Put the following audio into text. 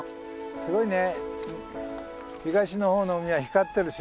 すごいね。